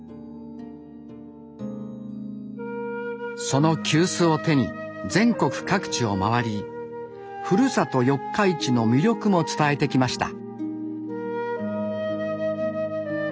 その急須を手に全国各地を回りふるさと四日市の魅力も伝えてきました。